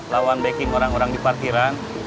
lawan baking orang orang di parkiran